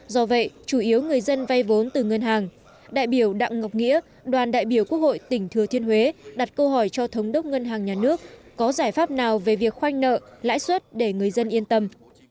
do vậy chủ yếu người dân vay vốn từ ngân hàng đại biểu đặng ngọc nghĩa đoàn đại biểu quốc hội tỉnh thừa thiên huế đặt câu hỏi cho thống đốc ngân hàng nhà nước có giải pháp nào về việc khoanh nợ lãi suất để người dân yên tâm